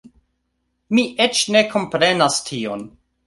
Mi eĉ ne komprenas tion